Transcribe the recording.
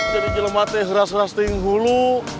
jadi jelumatnya keras keras dulu